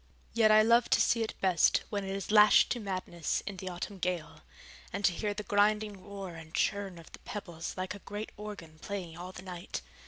Yet I love to see it best when it is lashed to madness in the autumn gale, and to hear the grinding roar and churn of the pebbles like a great organ playing all the night.